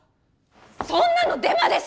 そんなのデマです！